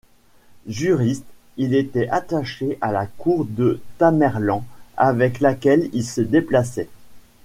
Juriste, il était attaché à la cour de Tamerlan avec laquelle il se déplaçait.